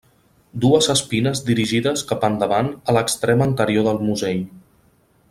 Dues espines dirigides cap endavant a l'extrem anterior del musell.